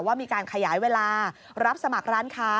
ว่ามีการขยายเวลารับสมัครร้านค้า